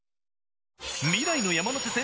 未来の山手線？